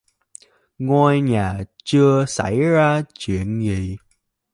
ngôi nhà chưa xảy ra chuyện gì